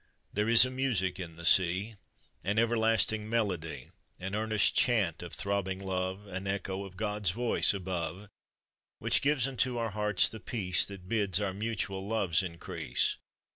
— There is a music in the sen, An everlasting melody, An earnest chant of throbbing love, An echo of God's voice above, Which gives unto our hearts the peace That bids our mutual loves increase.